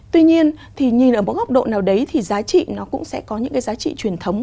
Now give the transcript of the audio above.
tuy nhiên thì nhìn ở một góc độ nào đấy thì giá trị nó cũng sẽ có những cái giá trị truyền thống